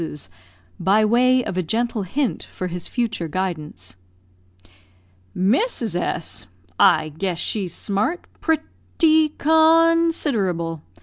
by way of a gentle hint for his future guidance. "Mrs. S , I guess she's smart, pret ty con siderable.